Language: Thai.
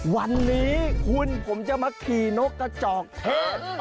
วันนี้คุณผมจะมาขี่นกกระจอกเทศ